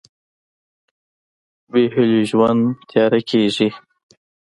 بېهيلو ژوند تیاره کېږي.